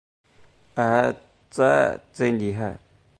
二儿子真厉害